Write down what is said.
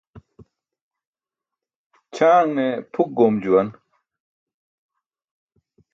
Ćʰaane pʰuk goom juwan.